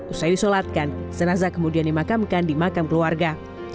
usai disolatkan jenazah kemudian dimakamkan di makam keluarga